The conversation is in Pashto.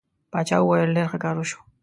باچا وویل ډېر ښه کار وشو.